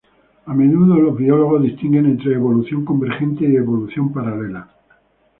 A menudo los biólogos distinguen entre evolución convergente y evolución paralela.